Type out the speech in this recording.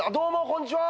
こんちは。